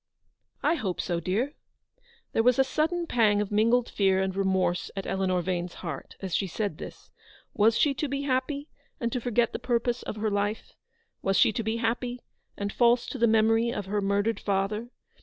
" I hope so, dear." There was a sudden pang of mingled fear and remorse at Eleanor Vane's heart as she said this. Was she to be happy, and to forget the purpose of her life ? Was she to be happy, and false to the memory of her murdered father